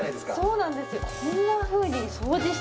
そうなんですよ。